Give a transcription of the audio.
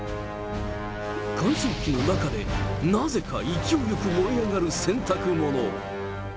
乾燥機の中で、なぜか勢いよく燃え上がる洗濯物。